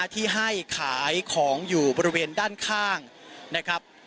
ที่ให้ขายของอยู่บริเวณด้านข้างนะครับ